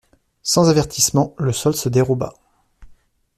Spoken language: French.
Sans avertissement, le sol se déroba.